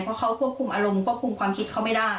เพราะเขาควบคุมอารมณ์ควบคุมความคิดเขาไม่ได้